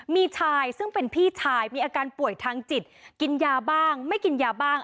มีชายซึ่งเป็นพี่ชายมีอาการป่วยทางจิตกินยาบ้างไม่กินยาบ้าง